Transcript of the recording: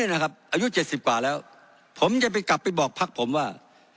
อายุ๗๐กว่าแล้วผมจะไปกลับไปบอกพักผมว่า